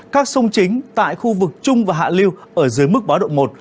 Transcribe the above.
các sông chính tại khu vực trung và hạ liêu ở dưới mức báo động một